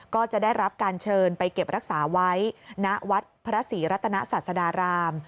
ก็จะได้รับการเชิญไปเก็บรักษาไว้ณวัดพระศรีรัตนศาสดาราม